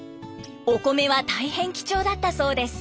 お米は大変貴重だったそうです。